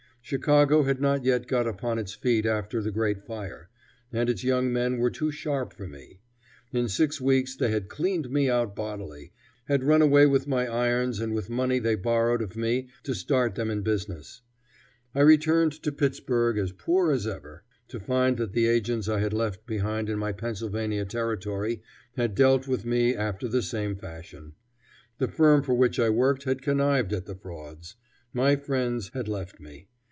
Chicago had not yet got upon its feet after the great fire; and its young men were too sharp for me. In six weeks they had cleaned me out bodily, had run away with my irons and with money they borrowed of me to start them in business. I returned to Pittsburg as poor as ever, to find that the agents I had left behind in my Pennsylvania territory had dealt with me after the same fashion. The firm for which I worked had connived at the frauds. My friends had left me.